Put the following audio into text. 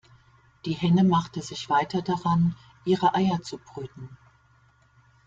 Die Henne machte sich weiter daran, ihre Eier zu brüten.